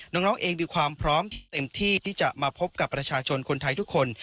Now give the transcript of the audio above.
น้องเองมีความพร้อมเต็มที่ที่จะมาพบกับประชาชนคนไทยทุกคน